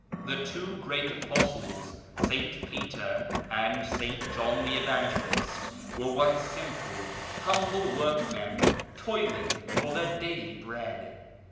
The two great Apostles, St. Peter and St. John the Evangelist, were once simple, humble workmen, toiling for their daily bread.